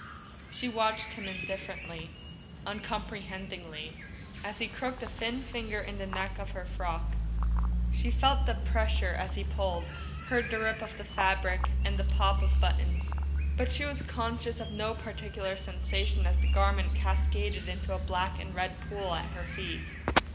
She watched him indifferently, uncomprehendingly, as he crooked a thin finger in the neck of her frock. She felt the pressure as he pulled, heard the rip of the fabric, and the pop of buttons, but she was conscious of no particular sensation as the garment cascaded into a black and red pool at her feet.